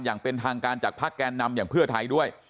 อย่างเป็นทางการจากภาคแกนนำอย่างเพื่อไทยด้วย